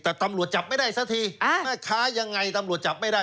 แต่ตำรวจจับไม่ได้สักทีแม่ค้ายังไงตำรวจจับไม่ได้